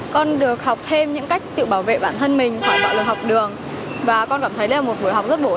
câu chuyện trong phóng sự sau là một ví dụ